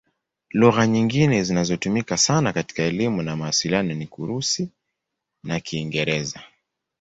Lugha nyingine zinazotumika sana katika elimu na mawasiliano ni Kirusi na Kiingereza.